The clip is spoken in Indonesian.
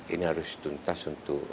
ini harus tuntas untuk